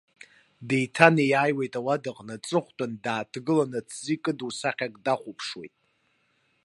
Деиҭанеиааиуеит ауадаҟны, аҵыхәтәаны, дааҭгылан, аҭӡы икыду сахьак дахәаԥшуеит.